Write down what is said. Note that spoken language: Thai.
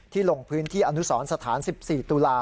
ลงพื้นที่อนุสรสถาน๑๔ตุลา